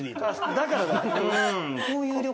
だからだ。